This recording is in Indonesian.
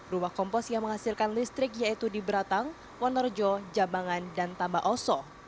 rumah kompos yang menghasilkan listrik yaitu di beratang wonorejo jambangan dan tamba oso